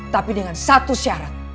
tapi dengan satu syarat